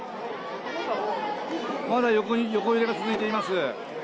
まだ横揺れが続いています。